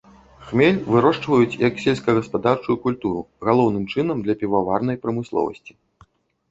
Хмель вырошчваюць як сельскагаспадарчую культуру, галоўным чынам для піваварнай прамысловасці.